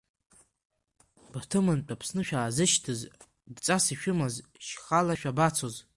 Баҭымынтә Аԥсны шәаазышьҭыз, дҵас ишәымаз, шьхала шәабацоз…